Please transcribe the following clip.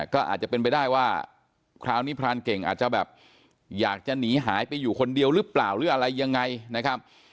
ก็อาจจะเป็นไปได้ว่าคราวนี้พรานเก่งอาจจะแบบอยากจะหนีหายไปอยู่คนเดียวหรือเปล่าหรืออะไรยังไงนะครับ